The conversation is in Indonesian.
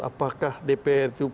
apakah dpr itu